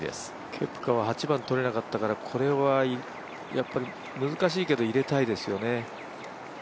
ケプカは８番取れなかったからこれは難しいけど入れたいですよね。